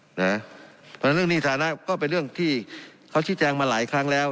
เพราะฉะนั้นเรื่องนี้ฐานะก็เป็นเรื่องที่เขาชี้แจงมาหลายครั้งแล้ว